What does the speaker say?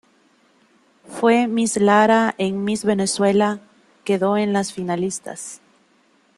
Fue Miss Lara en Miss Venezuela, quedó en las finalistas.